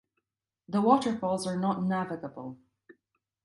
The waterfalls are not navigable.